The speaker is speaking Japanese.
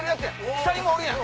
下にもおるやん！